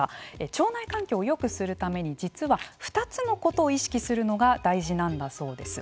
腸内環境をよくするために実は２つのことを意識するのが大事なんだそうです。